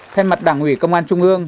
thay mặt đảng ủy công an trung ương